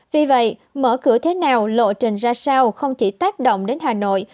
vì vậy mở cửa thế nào lộ trình ra sao không chỉ tác động đến hà nội